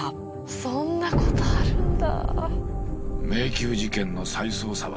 そんなことあるんだ。